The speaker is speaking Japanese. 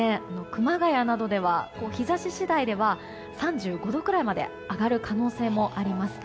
熊谷などでは日差し次第では３５度くらいまで上がる可能性もあります。